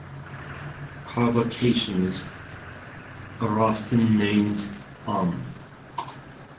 Carbocations are often named "-um".